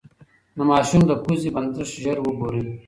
د ماشوم د پوزې بندښت ژر وګورئ.